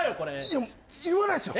いや言わないっすよ。